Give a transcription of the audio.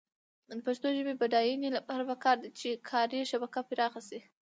د پښتو ژبې د بډاینې لپاره پکار ده چې کاري شبکه پراخه شي.